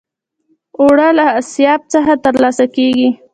اوړه له آسیاب څخه ترلاسه کېږي